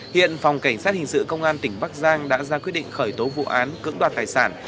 hiện phòng cảnh sát hình sự công an tỉnh bắc giang đã ra quyết định khởi tố vụ án cưỡng đoạt tài sản